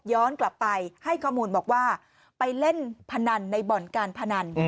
กลับไปให้ข้อมูลบอกว่าไปเล่นพนันในบ่อนการพนัน